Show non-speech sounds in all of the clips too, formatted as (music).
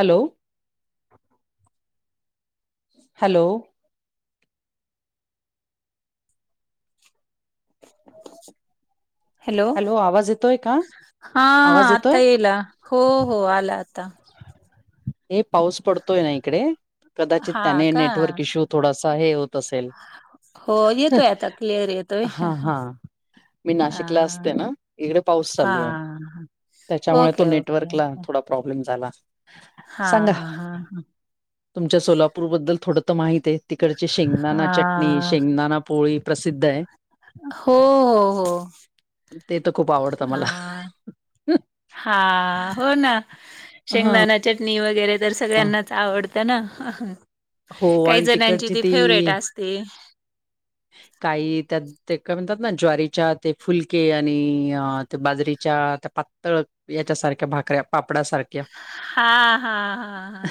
Hello. Hello. (inaudible) Hello आवाज येतोय का हा हा आवाज येतोय आता येला हो हो आला आता. हे पाऊस पडतोय ना इकडे कदाचित हा त्याने का नेटवर्क इश्यू थोडासा हे होत असेल. हो येतोय आता क्लिअर येतोय. हा हा मी हा नाशिकला असते ना इकडे पाऊस हा चालू आहे त्याच्यामुळे तो ओके नेटव ओके वर्कला ओके थोडा प्रॉब्लेम झाला. हा सांगा हा हा. तुमच्या सोलापूरबद्दल थोडं तर माहित आहे तिकडची शेंगदाणा चटणी, हा शेंगदाणा पोळी प्रसिद्ध आहे. हो हो हो ते तर खूप आवडतं मला हा. हा हो ना हा शेंगदाणा चटणी वगैरे तर सगळ्यांनाच आवडत तना हो काही आणि जणांची तिकडची ती फेवरेट असते. काही त्यात् ते काय म्हणतात ना ज्वारीच्या ते फुलके आणि ते बाजरीच्या त्या पातळ याच्यासारख्या भाकऱ्या. पापडा सारक्या. हा हा हा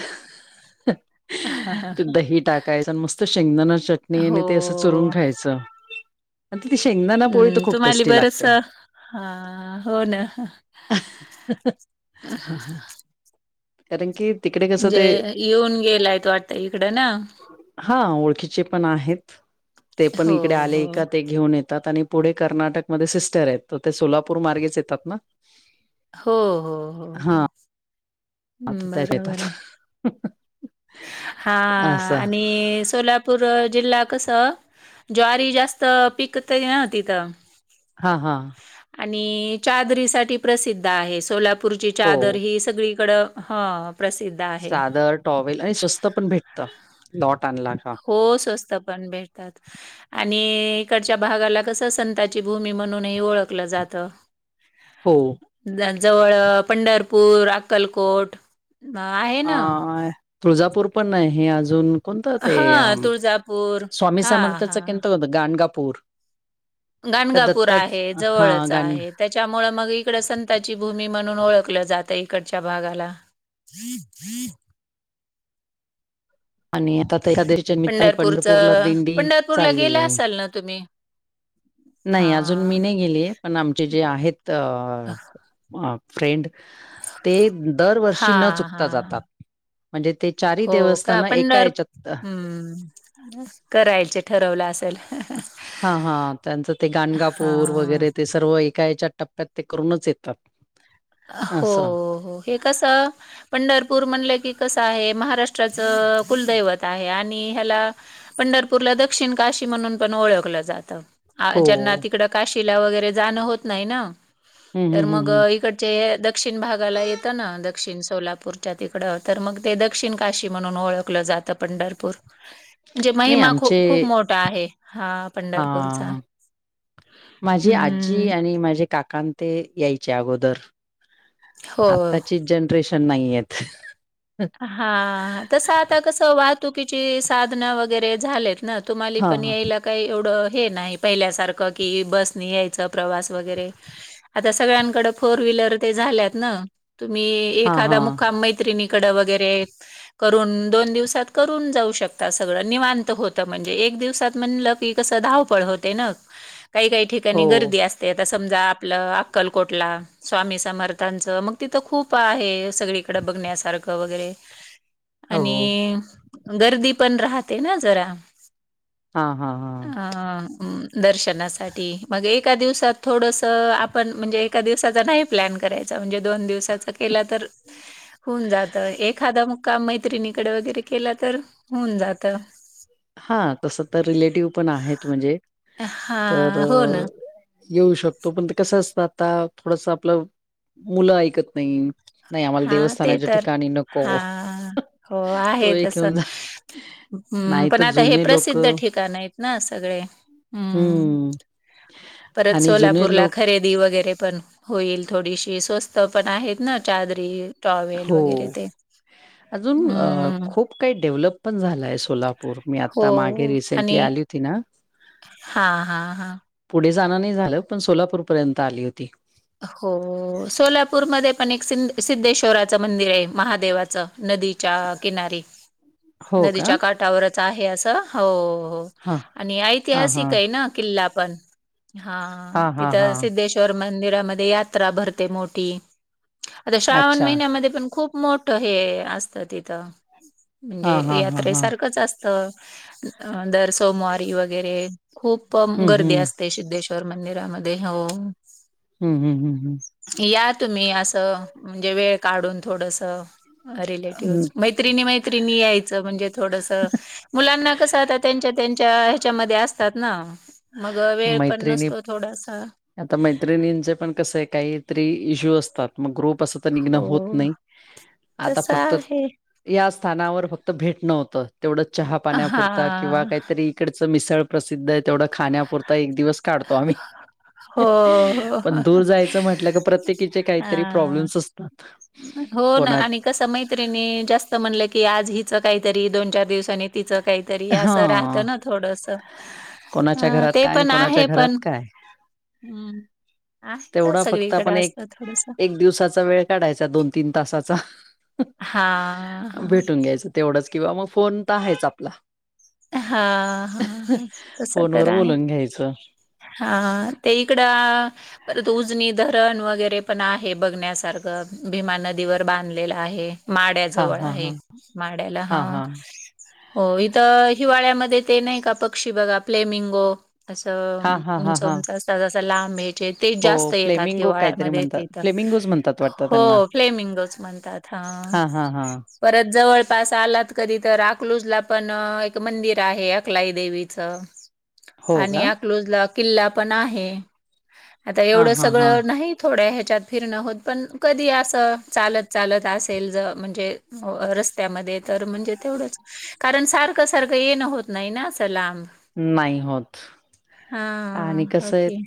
हा ते दही टाकायचं आणि मस्त शेंगदाणा चटणी हो आणि ते असं चुरून खायचं. आणि तितती शेंगदाना पोळी तर हम्म खूप तुम्हाला टेस्टी बरच लागते. हा हो ना. कारण की तिकडे कसं म्हणजे ते येऊन गेलाय तो वाटत इकडं ना हा ओळखीचे पण आहेत ते पण हो इकडे हो आले का ते घेऊन येत आणि पुढे कर्नाटकमध्ये सिस्टर आहेत ते सोलापूर मार्गेच येतात ना हो हो हो हा हो आता त्याच बरोबर येतात आहे हा असं आणि सोला पूर जिल्हा कस ज्वारी जास्त पिकत ना तिथं हा हा आणि चादरी साठी प्रसिद्ध आहे सोलापूरची चादर हो ही सगळीकड ह प्रसिद्ध आहे चादर टॉवेल आणि स्वस्त पण भेटत लॉट आणला का हो स्वस्त पण भेटतात आणि इकडच्या भागाला कस संताची भूमी म्हणूनही ओळखलं जातं हो. जवळ पंढरपूर अक्कलकोट अ, आहे अ ना. आहे तुळजापूर पण आहे अजून कोणतं ते अ हां, तुळजापूर स्वामी हां, समर्थाच हां. कोणत होत गाणगापूर का गणगापूर दत्ताच आहे हा जवळच गाण आहे त्याच्यामुळे मग इकड संताची भूमी म्हणून ओळखलं जातं इकडच्या भागाला ज जी आणि आता एकादशीच्या निमित्ताने पंढरपूरला पंढरपूरचं दिंडी पंढरपूरला चालली गेला आहे असाल ना तुम्ही? नाही अजून मी हां. नाही गेलीय पण आमचे जे आहेत फ्रेंड ते दरवर्षी न हां, हां, चुकता हां. जातात म्हणजे ते चार दिवस आपण जर करायच ठरवलं असेल हा हा त्यांचं ते गणगापूर हां. वगैरे ते सर्व एका याच्या टप्प्यात ते करूनच येतात हो असं हो हे कस पंढरपूर म्हणलं की कसं आहे महाराष्ट्राच कुलदैवत आहे आणि ह्याला पंढरपूरला दक्षिण काशी म्हणून पण ओळखलं जातं हो ज्यांना तिकड काशीला वगैरे जाणं होत नाही ना हम्म तर हम्म मग हम्म हम्म इकड दक्षिण भागाला येतं ना दक्षिण सोलापूरच्या तिकडं तर मग ते दक्षिण काशी म्हणून ओळख जात पंढरपूर म्हणजे नाही महिमा आमचे खूप खूप मोठा आहे हा हा पंढरपूरचा. हा माझी हम्म. आजी आणि माझे काकां ते यायचे अगोदर हो. आत्ताची जनरेशन नाहीय हा तस आता कस वाहतुकीची साधन वगैरे झालेत ना तुम्हाला हा पण याय लाग काही एवढं हे नाही पहिल्यासारखं की बसनी यायचं प्रवास वगैरे आता सगळ्यांकड फोर व्हीलर ते झाल्यात ना तुम्ही हा एखादा हा मुक्काम मैत्रिणीं कड वगैरे करून दोन दिवसात करून जाऊ शकता सगळं निवांत होत म्हणजे एक दिवसात म्हणल कस धावपळ होते ना काही काही ठिकाणी हो गर्दी असते ते आता समजा आपलं अक्कलकोटला स्वामी समर्थांचं मग तिथं खूप आहे सगळीकडे बघण्यासारखं वगैरे हो आणि गर्दी पण राहते ना जरा हा हा हा आ-अम्म दर्शनासाठी मग एका दिवसात थोडसं आपण म्हणजे एका दिवसाचा न्हाई प्लॅन करायचा म्हणजे दोन दिवसाचा केला तर हुन जातं एखादा का मैत्रिणीकडं वगैरे केला तर हुंन जातं. हा तसं तर रिलेटिव पण आहेत म्हणजे तर हा हो ना येऊ शकतो पण ते कसं असतं आता थोडस आपलं मुलं ऐकत नाई. नाही आम्हाला हा ते देवस्थानाच्या तर ठिकाणी नको हां. हं तो एक येेऊन जा. हम्म नाही पण तर आता हे जुने लोक प्रसिद्ध ठिकाण आहेत ना सगळे. हम्म परत आणि जुने सोलापूरला लोक खरे दी वगैरे पण होईल थोडीशी स्वस्त पण आहेत ना चादरी टॉवेल हो वगैरे ते. हम्म. काई डेव्हलप पण झालाय सोलापूर, मी हो आता मागे रिसेंटली आली होती ना हा हा हा. पुढे जाणं नाई झालं पण सोलापूरपर्यंत आली होती. हो, सोलापूरमध्ये पण एक सिंध सिद्धेश्वराचं मंदिर ये महादेवाचं नदीच्या किनारी, हो का नदीच्या काठावरच आहे असं, हो. हा आणि हा हा ऐतिहासिक ये ना किल्ला पण. हा, हा हा तिथं सिद्धेश् वर मंदिरामध्ये यात्रा भरते मोठी, आता श्रावण अच्छा महिन्यामध्ये पण खूप मोठ हे असतं तिथं. हा म्हणजे हा हा हा यात्रेसारखंच अस त. अ-दर सोमवारी वगैरे खूपम हम्म गर्दी हम्म अस ते सिद्धेश्वर मंदिरामध्ये, हो. हम्म हम्म हम्म हम्म. या तुम्ही असं म्हणजे वेळ काढून थोडसं हम्म रिलेटिव्ह्ज, मै त्रिणी मैत्रिणी याय चं म्हणजे थोडसं. मुलांना कसं आता त्यांच्या त्यांच्या हेच्यामध्ये असतात ना. मग वेळ पण मैत्रिणी नसतो थोडासा. आता मैत्रिणींचे पण कसंय काहीतरी इश्यू असतात, मग ग्रुप अस त निघणं होत हो. नाही, आता तसं फक्त आहे. या स्थानावर फक्त भेटणं होतं, तेवढं चहा पाण्यापुरता किंवा हां. काहीतरी इकडचं मिसळ प्रसिद्ध ये तेवढं खाण्यापुरता एक दिवस काढतो आम्ही हो, हो. पण दूर जायचं म्हटलं का प्रत्येकीचे काहीतरी हां. प्रॉब्लेम्सस. हो ना आणि कसं मैत्रिणी जास्त म्हणलं की आज हिचं काहीतरी दोन चार दिवसानी तिचं काहीतरी असं हा राहतं ना थोडसं. कोणाच्या घरात काय आणि कोणाच्या घरात काय. हं. आहे तर तेवढा फक्त सगळीकडे आपण एक, असतं थोडसं. एक दिवसाचा वेळ काढायचा दोन तीन तासाचा, हां, हं हां. भेटून घ्यायचं तेवढंच, किंवा म फोन त आहेच आपला. हा. अ-हं फोनवर बोलून घ्यायचं. हा, ते इकडं परत उजनी धरण वगैरे पण आहे बघण्यासारखं भीमा नदीवर बांधलेलं आहे. माड्या हां जवळ हां आहे, हां. माड्याला हां हा. हां. हो इथं हिवाळ्यामध्ये ते नाही का पक्षी बघा फ्लेमिंगो, हां असं हां हां हां. उंच-उंच अस ता जसा लांब एक. ते ते हो जास्त येतात फ्लेमिंगो काहीतरी हिवाळ्यामध्ये इथ म्हणतात. इथं फ्लेमिंगोज म्हणतात वाटतं हो, फ्लेमिंगोच म्हणतात. हा हा हा. परत जवळपास आलात कधी तर अकलुजला पण एक मंदिर आहे अकलाई देवीचं हो आणि का? अकलूज ला किल्ला पण आहे, आता हां एवढं हां हां. सगळं नाहीत कि थोड्या ह्याच्यात फिरणं होत, पण कधी असं चालत चालत असेल ज म्हणजे हो रस्त्यामध्ये तर म्हणजे तेवढंच, कारण सार सारखं सारखं येणं होत नाही ना असं लांब. नाही. होत. हा आणि कसंये, ओके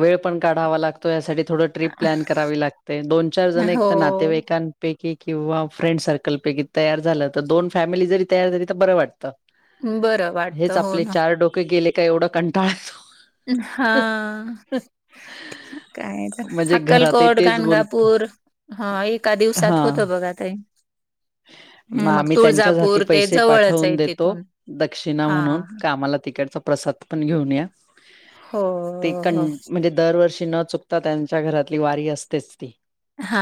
वेळ पण काढावा लागतो यासाठी थोडं ट्रिप प्लॅन करावी लागते, दोन चार जण, एक हो तर नातेवाईकांन पैकी किंवा फ्रेंड सर्कलपैकी तयार झालं, तर दोन फॅमिली जरी तयार झाली तर बरं वाटतं. बरं हेच वाटतं हो आपले ना चार डोके गेले का एवढं कंटाळा येतो. हाआ.. म्हणजे घरातही अक्कलकोट, तेच बोलतो गाणगापूर हा एका दिवसात हा. होत बघा ताई. (inaudible) म आम्ही त्यांच्याच हाती तुळजापूर ते पैसे जवळच पाठवून आहे देतो तिथून दक्षिणा हा म्हणून कामा आम्हाला तिकडचा प्रसाद पण घेऊन या, हो ते हो कण दरवर्षी न चुकता त्यांच्या घरातली वारी असतेच ती हा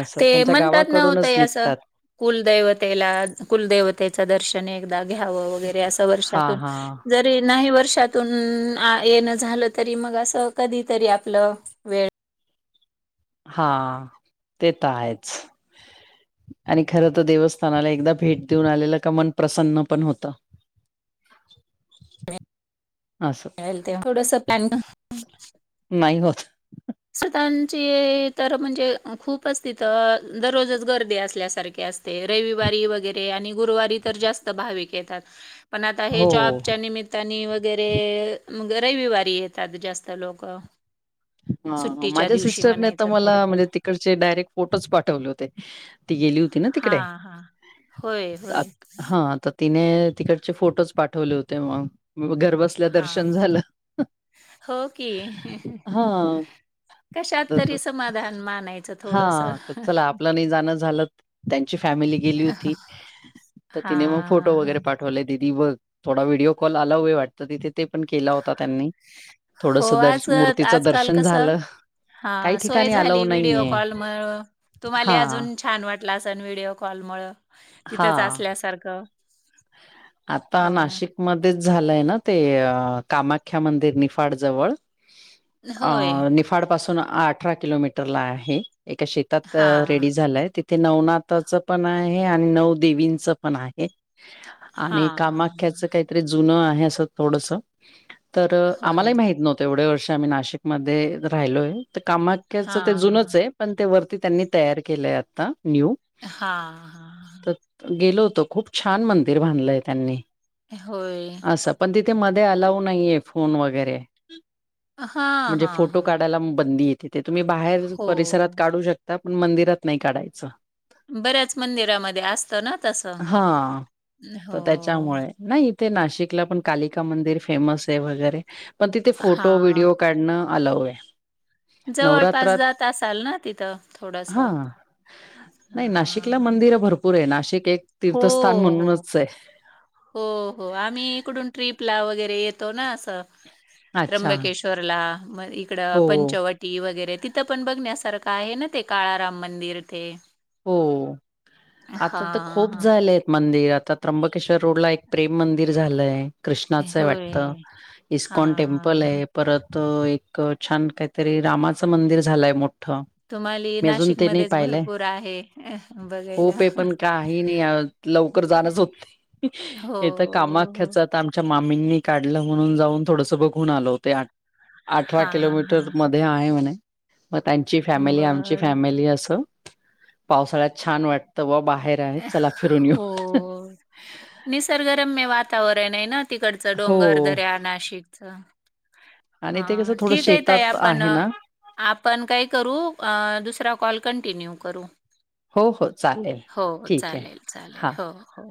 असं ते त्यांच्या म्हणतात न हो गावाकडूनच ताई असं निघतात. कुलदैवतेला कुलदेवतेच दर्शन एकदा घ्याव वगैरे अस हा वर्षातून हा जर की नाही वर्षातून येण झालं तरी मग असं कधी तरी आपलं वेळ हा, ते त आहेच. आणि खर तर देवस्थानाला एकदा भेट देऊन आलेलं का मन प्रसन्न पण होतं. (inaudible) आस. थोडंसं प्लॅन नाही होत. स्वतःंची तर म्हणजे अ खूप तिथ अ दररोजच गर्दी असल्यासारखी असते. ते रविवारी वगैरे आणि गुरुवारी तर जास्त भाविक येतात. पण आता हे हो. जॉबच्या निमित तानी वगैरे मग रविवारी येतात जास्त लोक हा, माझ्या सिस्टरने तर म्हणायचं मला थोडक्यात. म्हणजे तिकडचे डायरेक्ट फोटोच पाठवले होते. ती गेली होती ना तिकडे. हां, हां. होय होय. ताक हां, तर तिने तिकडचे फोटोज पाठवले होते मग घर बस हा, हो की. हां, कशात तरी तसं समाधान मानायचं थोडस. त्यांना ही जाण झाल त्यांची फॅमिली गेली होती तर तिने हां, फोटो हां. वगैरे पाठ आठवले दीदी बघ थोडा व्हिडिओ कॉल आला होय वाटतं तिथे ते पण केला होता त्यांनी. हो, थोडस दर्श मूर्तीचं दर्शन झालं. हा काही सोय ठिकाणी झाली अलाऊ व्हिडिओ नाहीये. कॉल मळ तुम्हाला हां, अजून छान वाट लास व्हिडओ कॉलमुळ तिथंच हां. असल्यासारखं. आता हो ना. नाशिक मध्येच झालंय ना, ते कामाख्या मंदिर निफाड जवळ. होय. अं निफाडपासून अठरा किलोमीटरला आहे. एका शेत तात हां, रेडी झालाय. तिथे नवनाथचं पण आहे आणि नऊ देवींच पण आहे. आणि हां, हां. कामाख्याचं काहीतरी जुनं आहे असं थोडसं, तर होय. आम्हालाही माहित नव्हत. तेवढे वर्ष आम्ही नाशिकमध्ये राहिलोय, तर कामाख्याच ते हां, हां. जुनच आहे. पण ते वरती त्यांनी तयार केलंय आता, न्यू. हां. हां. तर गेलो होतो. खूप छान मंदिर बांधलंय त्यांनी. होय. असं. पण तिथे मध्ये आलाऊ नाहीये फोन वगैरे. हां, म्हणजे हां, फोटो हां. काढायला बंदी तिथे तुम्ही बाहेर हो. परिसरात काढू शकता, पण मंदिरात नाही काढायचं. बऱ्याच मंदिरामध्ये असतं ना तसं. हा हो. तर त्याच्यामुळे. नाही. इथे नाशिकला पण कालिका मंदिर फेमस आहे वगैरे, पण तिथे फोटो हां. विडिओ काढणं आलाऊ आहे. जवळपास नवरात्रात जात असाल ना, तिथं थोडसं. हां. नाही नाशिकला मंदिर भरपूर आहे. नाशिक एक हो, तीर्थस्थान हो. म्हणूनच आहे. हो हो, आम्ही इकडून ट्रिपला वगैरे येतो ना असं. अच्छा. त्र्यंबकेश रला म इकड हो, पंचव टी वगैरे, तिथं पण बघण्यासारखं आहे ना ते काळाराम मंदिर ते. हो, आता तर हां, खूप हां. झाले आहेत मंदिर. आता त्र्यंबकेश्वर रोड ला एक प्रेम मंदिर झालंय. कृष्णाच आहे वाटतं, होय. इस्कॉन टेम्पल हां. आहे परत एक छान काहीतरी रामाचं मंदिर झालंय मोठं. तुम्हाली मी अजून ते नाही नाशिकमध्येच पाहिलंय भरपूर आहे. बघा खूप आहे पण काही नाही. लवकर जाणच होत नाही. हो, हे तर हो. कामाख्याच आता आमच्या मामींनी काढलं म्हणून जाऊन थोडसं बघून आलं होतो. आ ठरा हां, हां, किलोमीटर हां. मध्ये आहे म्हणे, मग त्यांची फॅमिली, आमची बरं. फॅमिली असं पावसाळ्यात छान वाटतं बॉ बाहेर आहे चला फिरून येऊ. हो. निसर्गरम्य वातावरण आहे ना तिकडचं हो डोंगर, दऱ्या नाशिक च. आणि ते हा कसं थोडं ठीक आहे ताई शेतात आपण आहे ना. आपण काय करू, अं दुसरा कॉल कंटिन्यू करू. हो हो. चालेल हो हो, ठीक आहे. चालेल चालेल. हां. हो हो.